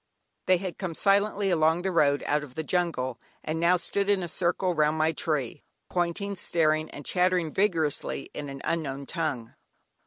They had come silently along the road out of the jungle, and now stood in a circle round my tree, pointing, staring, and chattering vigorously in an unknown tongue.